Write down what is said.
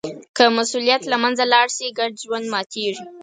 که مسوولیت له منځه لاړ شي، ګډ ژوند ماتېږي.